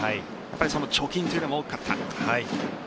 その貯金というのが大きかった。